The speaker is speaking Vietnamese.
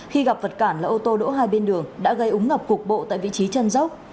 khi gặp vật cản là ô tô đỗ hai bên đường đã gây ống ngập cục bộ tại vị trí chân dốc